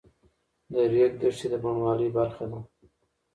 د ریګ دښتې د بڼوالۍ برخه ده.